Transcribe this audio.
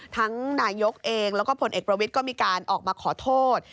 นายกเองแล้วก็ผลเอกประวิทย์ก็มีการออกมาขอโทษ